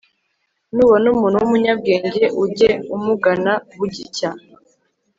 nubona umuntu w'umunyabwenge, ujye umugana bugicya